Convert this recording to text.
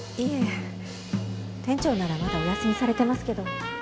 いえ店長ならまだお休みされてますけど。